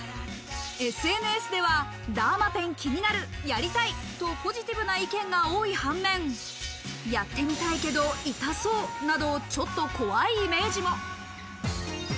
ＳＮＳでは「ダーマペン、気になる。やりたい」とポジティブな意見が多い反面、やってみたいけど痛そうなど、ちょっと怖いイメージも。